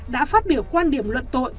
đã phát biểu quan điểm luận tội